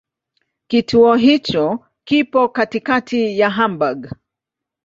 Kituo hicho kipo katikati ya Hamburg.